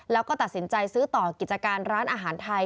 แล้วก็ตัดสินใจซื้อต่อกิจการร้านอาหารไทย